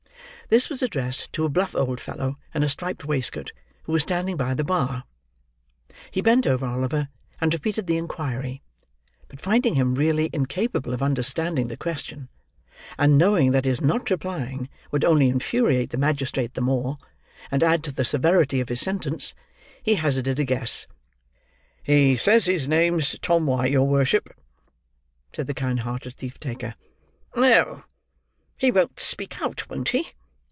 This was addressed to a bluff old fellow, in a striped waistcoat, who was standing by the bar. He bent over Oliver, and repeated the inquiry; but finding him really incapable of understanding the question; and knowing that his not replying would only infuriate the magistrate the more, and add to the severity of his sentence; he hazarded a guess. "He says his name's Tom White, your worship," said the kind hearted thief taker. "Oh, he won't speak out, won't he?"